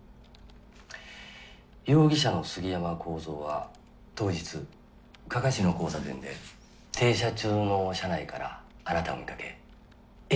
容疑者の杉山孝三は当日加賀市の交差点で停車中の車内からあなたを見かけ会釈を交わしたと言っている。